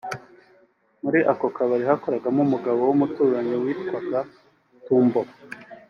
muri ako kabari hakoragamo umugabo w’umuturanyi witwaga Tumbo